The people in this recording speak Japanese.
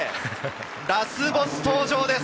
ラスボス登場です！